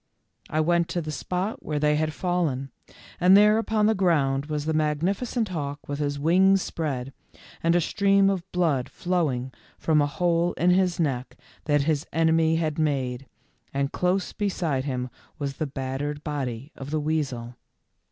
I went to the spot where they had fallen, and there upon the ground was. the magnifi cent hawk with his wings spread, and a stream of blood flowing from a hole in his neck that his enemy had made, and close beside him was the battered body of the weasel.